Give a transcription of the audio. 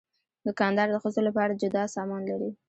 دوکاندار د ښځو لپاره جدا سامان لري.